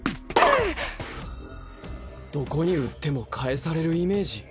どこに打っても返されるイメージ？